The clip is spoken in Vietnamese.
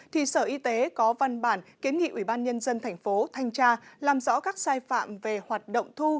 thì sở y tế có văn bản kiến nghị ủy ban nhân dân thành phố thanh tra làm rõ các sai phạm về hoạt động thu